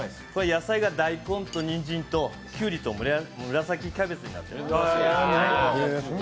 野菜がだいこんとにんじんときゅうりと紫キャベツになってます。